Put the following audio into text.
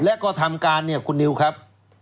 และก็ทำการเนี่ยคุณนิวครับ